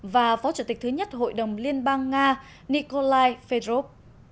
và phó chủ tịch thứ nhất hội đồng liên bang nga nikolai fedrov